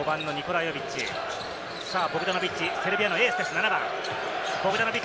ボグダノビッチ、セルビアのエースです。